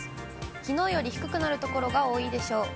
きのうより低くなる所が多いでしょう。